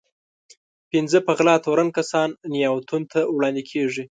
پنځه په غلا تورن کسان نياوتون ته وړاندې کېږي.